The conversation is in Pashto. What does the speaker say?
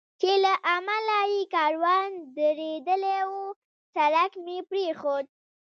چې له امله یې کاروان درېدلی و، سړک مې پرېښود.